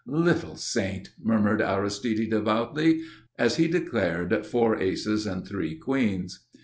"Little Saint!" murmured Aristide devoutly, as he declared four aces and three queens.